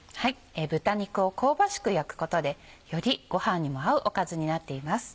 豚肉を香ばしく焼くことでよりご飯にも合うおかずになっています。